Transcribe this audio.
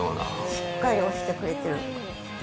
しっかり押してくれてる。